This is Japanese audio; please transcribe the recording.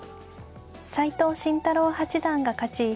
斎藤慎太郎八段が勝ち